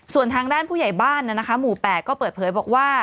ส่วนทางด้านผู้ใหญ่บ้านหมู่๘ก็เปิดเผยบอกว่า